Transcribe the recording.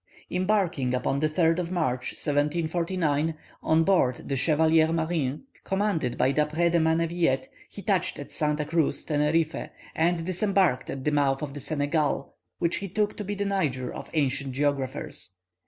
Embarking upon the 3rd of March, 1749, on board the Chevalier Marin, commanded by D'Après de Mannevillette, he touched at Santa Cruz, Teneriffe, and disembarked at the mouth of the Senegal, which he took to be the Niger of ancient geographers.